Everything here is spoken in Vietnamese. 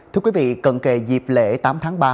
thưa quý vị cần kề dịp lễ tám tháng ba